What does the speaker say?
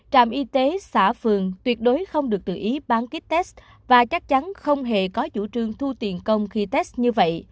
trạm y tế xã phường tuyệt đối không được tự ý bán kích tết và chắc chắn không hề có chủ trương thu tiền công khi tết như vậy